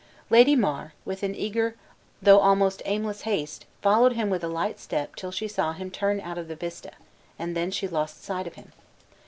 Lady Mar, with an eager, though almost aimless haste, followed him with a light step till she saw him turn out of the vista, and then she lost sight of him.